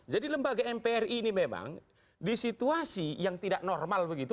lembaga mpr ini memang di situasi yang tidak normal begitu